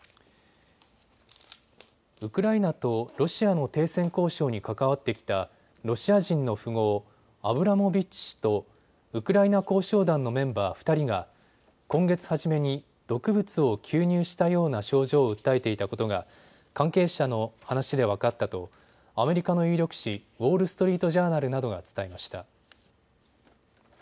ウクライナとロシアの停戦交渉に関わってきたロシア人の富豪、アブラモビッチ氏とウクライナ交渉団のメンバー２人が今月初めに毒物を吸入したような症状を訴えていたことが関係者の話で分かったとアメリカの有力紙、ウォール・ストリート・ジャーナルなどが伝えました。